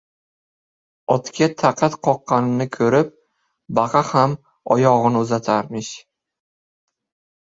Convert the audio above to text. • Otga taqa qoqqanini ko‘rib baqa ham oyog‘ini uzatarmish.